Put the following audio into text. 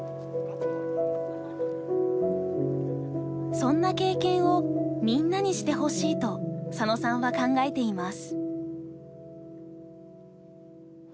そんな経験をみんなにしてほしいと佐野さんは考えています。